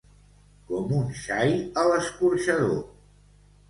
Com un xai a l'escorxador.